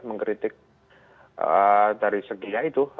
mengkritik dari segi itu